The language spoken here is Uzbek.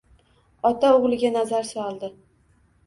Ota oʻgʻliga nazar soldi.